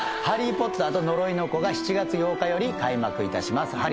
「ハリー・ポッターと呪いの子」が７月８日より開幕いたします